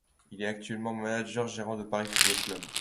Il est actuellement manager général du Paris Football Club.